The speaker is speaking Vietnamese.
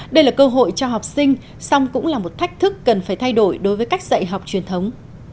đây là cơ hội cho học sinh xong cũng là một thách thức cần phải thay đổi đối với cách dạy học truyền thống